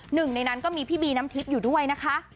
หนึ่งในนั้นก็มีพี่บีน้ำทิพย์อยู่ด้วยนะคะ